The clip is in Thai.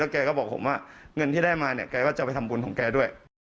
แกก็บอกผมว่าเงินที่ได้มาเนี่ยแกก็จะไปทำบุญของแกด้วย